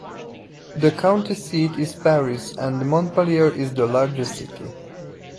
The county seat is Paris, and Montpelier is the largest city.